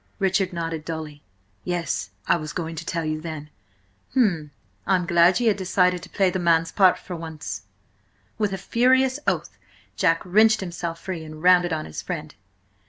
Richard nodded, dully. "Yes, I was going to tell you then." "H'm! I'm glad ye had decided to play the man's part for once!" With a furious oath Jack wrenched himself free and rounded on his friend.